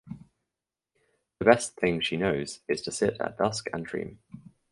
The best thing she knows is to sit at dusk and dream.